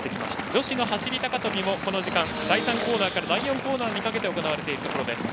女子の走り高跳びもこの時間第３コーナーから第４コーナーにかけて行われています。